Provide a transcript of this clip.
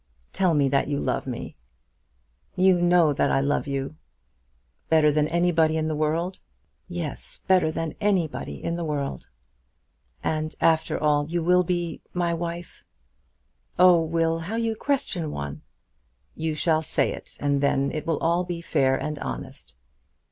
"Tell me that you love me." "You know that I love you." "Better than anybody in the world?" "Yes; better than anybody in the world." "And after all you will be my wife?" "Oh, Will, how you question one!" "You shall say it, and then it will all be fair and honest."